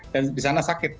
dan di sana sakit